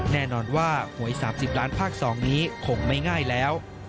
แน่นอนว่าหวย๓๐ล้านภาค๒นี้คงไม่ง่ายแล้ว